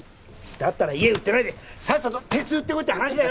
だったら家売ってないでさっさと鉄売ってこいって話だよ！